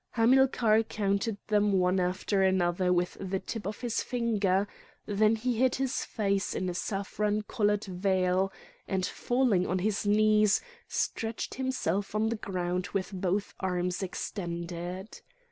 Hamilcar counted them one after another with the tip of his finger; then he hid his face in a saffron coloured veil, and, falling on his knees, stretched himself on the ground with both arms extended.